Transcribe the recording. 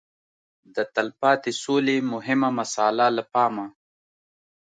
د تلپاتې سولې مهمه مساله له پامه